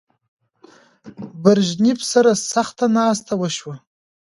برژنیف سره سخته ناسته وشوه.